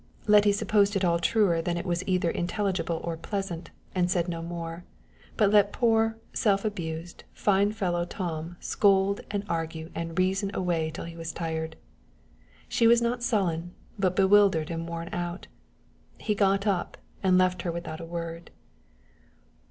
Letty supposed it all truer than it was either intelligible or pleasant, and said no more, but let poor, self abused, fine fellow Tom scold and argue and reason away till he was tired. She was not sullen, but bewildered and worn out. He got up, and left her without a word.